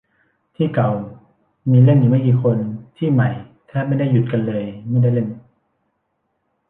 ที่เก่ามีเล่นอยู่ไม่กี่คน ที่ใหม่แทบไม่ได้หยุดกันเลยไม่ได้เล่น